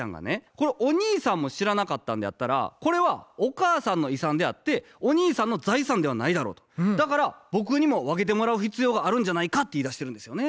「これお兄さんも知らなかったんであったらこれはお母さんの遺産であってお兄さんの財産ではないだろう」と「だから僕にも分けてもらう必要があるんじゃないか」って言いだしてるんですよね。